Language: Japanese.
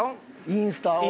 インスタを。